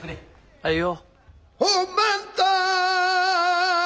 はいよ。